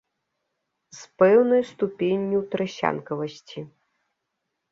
З пэўнай ступенню трасянкавасці.